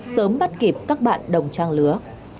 sớm bắt kịp các bạn đồng trang lứa